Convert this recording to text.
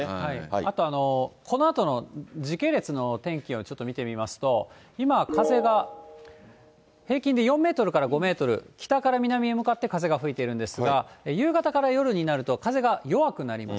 あと、このあとの時系列の天気をちょっと見てみますと、今、風が平均で４メートルから５メートル、北から南へ向かって風が吹いてるんですが、夕方から夜になると、風が弱くなります。